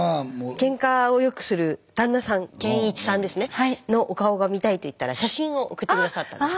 けんかをよくする旦那さん憲一さんですねのお顔が見たいと言ったら写真を送って下さったんです。